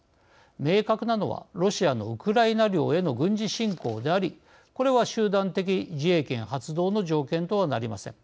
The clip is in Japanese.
明確なのはロシアのウクライナ領への軍事侵攻でありこれは集団的自衛権発動の条件とはなりません。